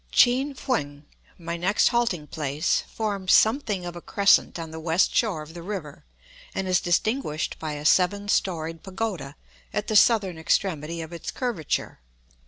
Chin yuen, my next halting place, forma something of a crescent on the west shore of the river, and is distinguished by a seven storied pagoda at the southern extremity of its curvature.